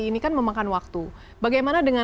ini kan memakan waktu bagaimana dengan